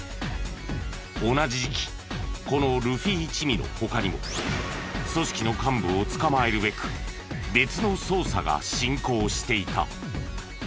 同じ時期このルフィ一味の他にも組織の幹部を捕まえるべく別の捜査が進行していた。